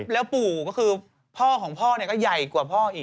แล้วปู่ก็คือพ่อของพ่อก็ใหญ่กว่าพ่ออีก